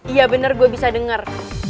iya bener gue bisa denger